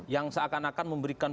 yang seakan akan memberikan